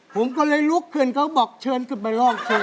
ผมก็เลยลุกขึ้นเขาบอกเชิญกลับมาร่องเพลง